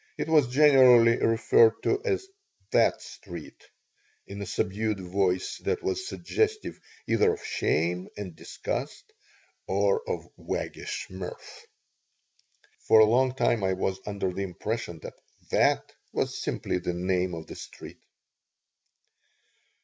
It was generally referred to as "that street," in a subdued voice that was suggestive either of shame and disgust or of waggish mirth. For a long time I was under the impression that "That" was simply the name of the street.